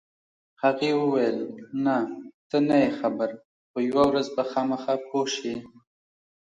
هغې وویل: نه، ته نه یې خبر، خو یوه ورځ به خامخا پوه شې.